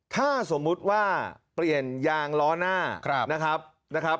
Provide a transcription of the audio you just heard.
ถ้าสมมุติว่าเปลี่ยนยางล้อหน้านะครับ